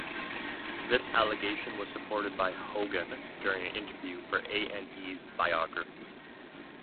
This allegation was supported by Hogan during an interview for A and E's "Biography".